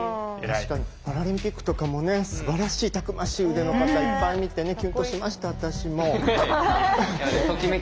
確かにパラリンピックとかもねすばらしいたくましい腕の方いっぱい見てねキュンとしました私も。